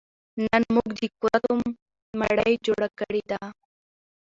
نن موږ د کورتو مړۍ جوړه کړې ده